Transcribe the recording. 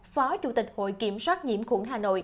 phó chủ tịch hội kiểm soát nhiễm khuẩn hà nội